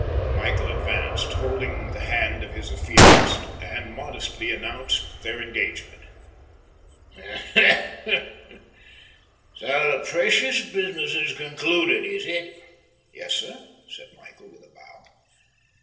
Michael advanced, holding the hand of his affianced, and modestly announced their engagement. "Humph! So the precious business is concluded, is it?" "Yes, sir," said Michael, with a bow.